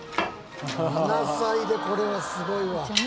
７歳でこれはすごいわ。